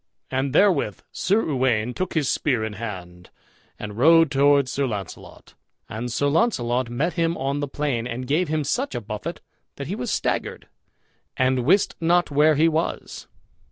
And therewith Sir Uwaine took his spear in hand, and rode toward Sir Launcelot; and Sir Launcelot met him on the plain and gave him such a buffet that he was staggered, and wist not where he was.